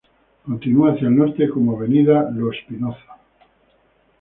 Continúa hacia el norte como avenida Lo Espinoza.